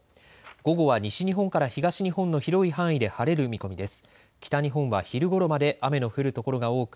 午後は西日本から東日本の広い範囲で晴れる見込みです。